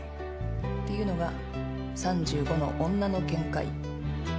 っていうのが３５の女の見解。